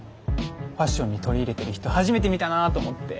ファッションに取り入れてる人初めて見たなと思って。